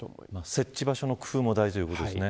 設置場所の工夫も大事ということですね。